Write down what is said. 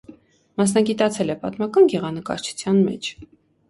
Մասնագիտացել է պատմական գեղանկարչության մեջ։